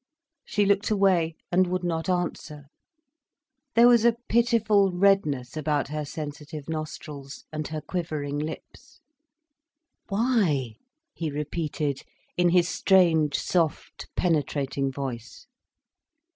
She looked away, and would not answer. There was a pitiful redness about her sensitive nostrils, and her quivering lips. "Why?" he repeated, in his strange, soft, penetrating voice.